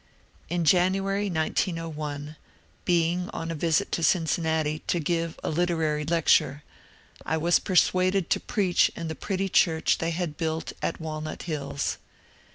In January, 1901, being on a visit to Cincinnati to give a literary lecture, I was pe^uaded to preach in the pretty church they had built at Walnut Hills.